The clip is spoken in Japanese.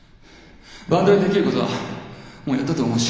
バンドでできることはもうやったと思うし。